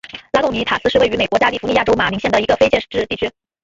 拉贡尼塔斯是位于美国加利福尼亚州马林县的一个非建制地区。